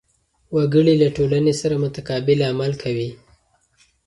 وګړي له ټولنې سره متقابل عمل کوي.